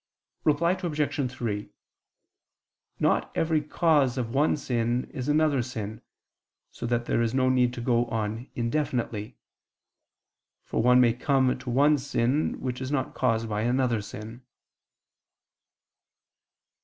Reply Obj. 3: Not every cause of one sin is another sin; so there is no need to go on indefinitely: for one may come to one sin which is not caused by another sin.